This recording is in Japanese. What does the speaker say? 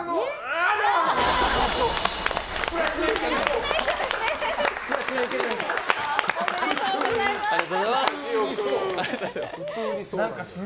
ありがとうございます。